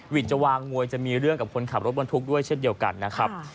จะวางมวยจะมีเรื่องกับคนขับรถบรรทุกด้วยเช่นเดียวกันนะครับ